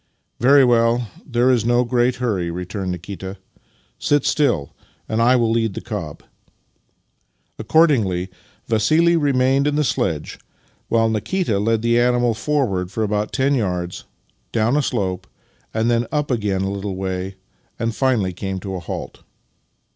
"Very well; tlicre is no great hurry," returned Nikita. " Sit still, and I wih lead the cob." Accordingly Vassili remained in the sledge, while Nikita led +he animal forward for about ten yards, down a slope, then up again a little way, and finally came to a halt.